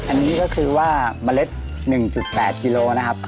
อันนี้ก็คือว่าเมล็ด๑๘กิโลนะครับ